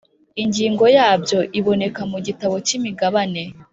Ingingo yabyo iboneka mugitabo cy imigabane